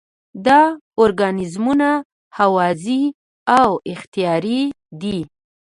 دا ارګانیزمونه هوازی او اختیاري دي.